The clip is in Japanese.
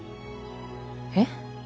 えっ？